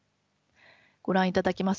ご覧いただきます